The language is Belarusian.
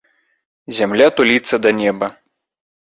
Зямля туліцца да неба.